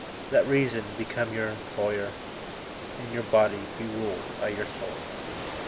Let Reason become your employer, And your body be ruled by your soul.